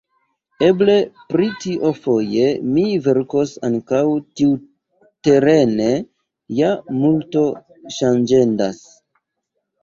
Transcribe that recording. Eble pri tio foje mi verkos; ankaŭ tiuterene ja multo ŝanĝendas.